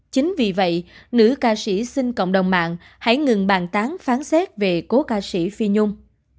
chính vì vậy nữ ca sĩ xin cộng đồng mạng hãy ngừng bàn tán phán xét về cố ca sĩ phi nhung